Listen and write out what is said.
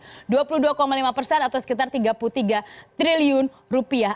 yang paling banyak mendapat guyuran investasi dua puluh dua lima persen atau sekitar tiga puluh tiga triliun rupiah